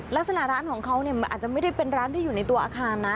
ลักษณะร้านของเขาอาจจะไม่ได้เป็นร้านที่อยู่ในตัวอาคารนะ